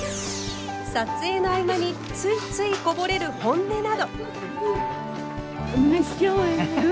撮影の合間についついこぼれる本音など。